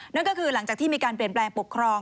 นั่นก็คือหลังจากที่มีการเปลี่ยนแปลงปกครอง